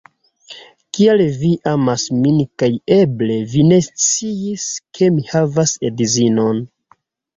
Kial vi amas min kaj eble vi ne sciis ke mi havas edzinon